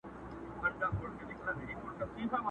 ټکي لوېږي د ورورۍ پر کړۍ ورو ورو؛